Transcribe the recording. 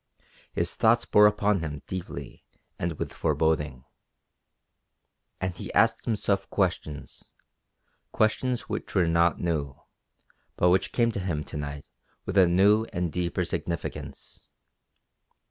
His thoughts bore upon him deeply and with foreboding. And he asked himself questions questions which were not new, but which came to him to night with a new and deeper significance.